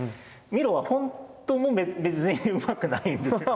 ミロはほんとも別にうまくないんですよ。